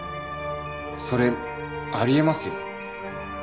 それあり得ますよ。